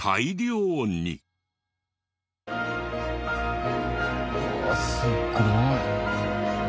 うわすごい。